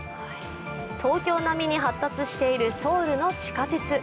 東京並みに発達しているソウルの地下鉄。